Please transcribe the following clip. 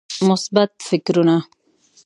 مثبت فکرونه